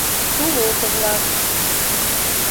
Тулото-влак